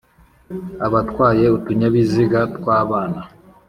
abatwaye utunyabiziga twabana